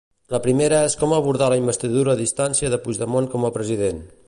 La primera és com abordar la investidura a distància de Puigdemont com a president.